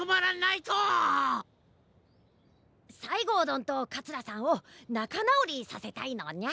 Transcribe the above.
西郷どんと桂さんをなかなおりさせたいのニャ？